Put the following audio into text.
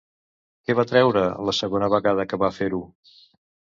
Què va treure la segona vegada que va fer-ho?